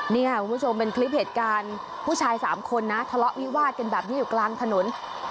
นี่ค่ะคุณผู้ชมเป็นคลิปเหตุการณ์ผู้ชายสามคนนะทะเลาะวิวาดกันแบบนี้อยู่กลางถนน